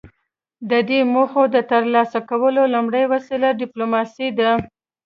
د دې موخو د ترلاسه کولو لومړۍ وسیله ډیپلوماسي ده